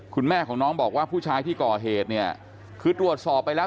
คุณแม่ของน้องบอกว่าผู้ชายที่ก่อเหตุเนี่ยคือตรวจสอบไปแล้ว